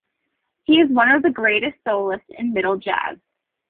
He is one of the greatest soloists in middle jazz.